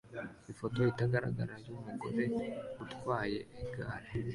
Ifoto itagaragara yumugore utwaye igare